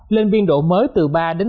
lên viên độ mới từ ba ba hai mươi năm